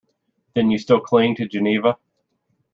Then you still cling to Geneva?